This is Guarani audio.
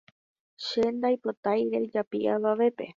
Che ndaipotái rejapi avavépe